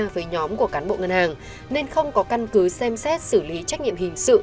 với nhóm của cán bộ ngân hàng nên không có căn cứ xem xét xử lý trách nhiệm hình sự